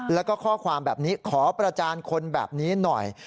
แล้วก็ข้อความแบบนี้ขอประจานคนแบบนี้หน่อย